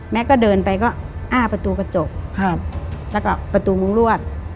ก็เดินไปก็อ้าประตูกระจกแล้วก็ประตูมุ้งรวด